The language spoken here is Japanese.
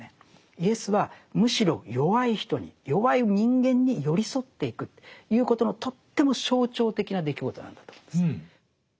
イエスはむしろ弱い人に弱い人間に寄り添っていくということのとっても象徴的な出来事なんだと思うんですね。